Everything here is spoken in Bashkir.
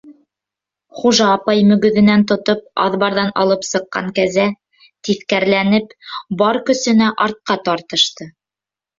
Хужа апай мөгөҙөнән тотоп аҙбарҙан алып сыҡҡан кәзә, тиҫкәреләнеп, бар көсөнә артҡа тартышты.